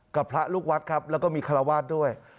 กับพระลูกวัดครับแล้วก็มีคาราวาสด้วย